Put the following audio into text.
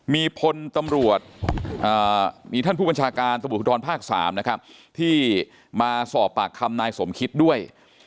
มีพลตำรวจมีท่านผู้บัญชาการตำรวจภูทรภาค๓นะครับที่มาสอบปากคำนายสมคิตด้วย